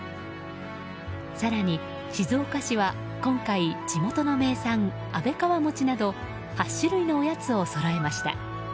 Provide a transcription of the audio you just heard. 更に静岡市は今回地元の名産、安倍川もちなど８種類のおやつをそろえました。